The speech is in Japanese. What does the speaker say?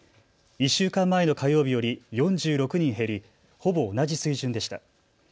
１週間前の火曜日より４６人減りほぼ同じ水準でした。